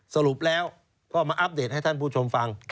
สรุปแล้วก็มาอัปเดตให้ท่านผู้ชมฟัง